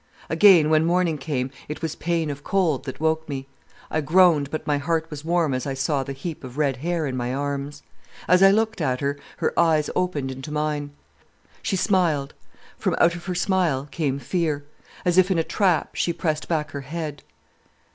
"Again, when morning came, it was pain of cold that woke me. I groaned, but my heart was warm as I saw the heap of red hair in my arms. As I looked at her, her eyes opened into mine. She smiled—from out of her smile came fear. As if in a trap she pressed back her head.